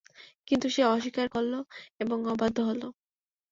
কিন্তু সে অস্বীকার করল এবং অবাধ্য হল।